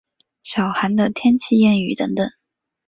小寒的天气谚语等等。